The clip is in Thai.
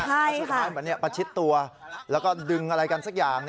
แต่สุดท้ายเหมือนประชิดตัวแล้วก็ดึงอะไรกันสักอย่าง